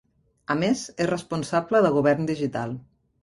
A més, és responsable de Govern Digital.